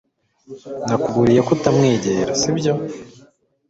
Nakuburiye ko utamwegera, sibyo?